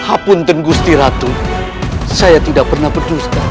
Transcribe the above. apunten gusti ratu saya tidak pernah berjuska